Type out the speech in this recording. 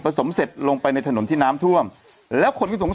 ผสมเสร็จลงไปในถนนที่น้ำทวบ